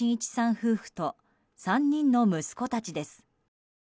夫婦と３人の息子たちです。